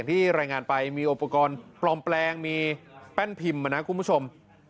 ที่รายงานไปมีอุปกรณ์ปลอมแปลงมีแป้นพิมพ์มานะคุณผู้ชม